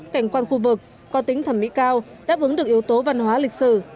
cảnh quan khu vực có tính thẩm mỹ cao đáp ứng được yếu tố văn hóa lịch sử